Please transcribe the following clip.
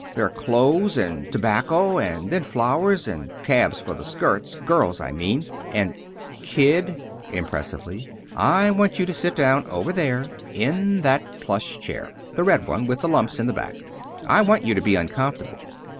There are clothes, and tobacco, and then flowers and cabs for the skirts girls, I mean, and " "Kid," impressively, "I want you to sit down over there in that plush chair the red one, with the lumps in the back. I want you to be uncomfortable.